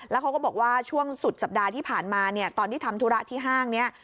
แล้วเขาก็บอกว่าช่วงสุดสัปดาห์ที่ผ่านมาเนี่ยตอนที่ทำธุระที่ห้างนี้